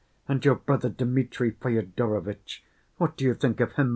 And your brother Dmitri Fyodorovitch, what do you think of him?